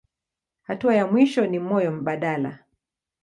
Hatua ya mwisho ni moyo mbadala.